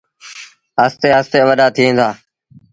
آهستي آهستي وڏآ ٿئيٚݩ دآ۔